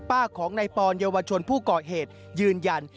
ป้าของนายปอนเยาวชนผู้ก่อเหตุยืนยัน